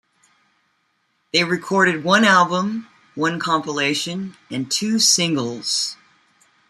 They recorded one album, one compilation and two singles.